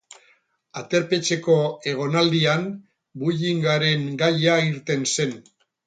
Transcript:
Aterpetxeko egonaldian bullying-aren gaia irten zen.